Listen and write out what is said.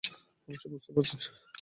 অবশ্যই, বুঝতে পারছি।